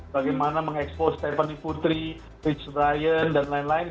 bagaimana mengekspos stephany putri rich ryan dan lain lain